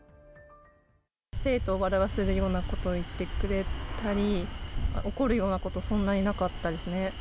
生徒を笑わせるようなことを言ってくれたり、怒るようなこと、そんなになかったですね。